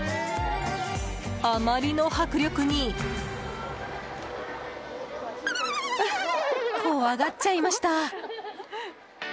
あまりの迫力に怖がっちゃいました。